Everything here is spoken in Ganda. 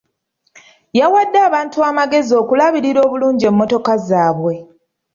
Yawadde abantu amagezi okulabirira obulungi emmotoka zaabwe.